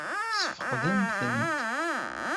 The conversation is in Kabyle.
Tesfeqdemt-tent?